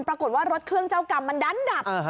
ปรากฏว่ารถเครื่องเจ้ากรรมมันดันดับ